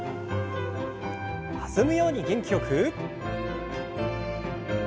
弾むように元気よく。